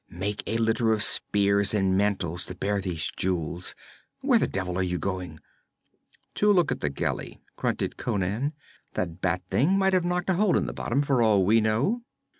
'Make a litter of spears and mantles to bear these jewels where the devil are you going?' 'To look to the galley,' grunted Conan. 'That bat thing might have knocked a hole in the bottom, for all we know.'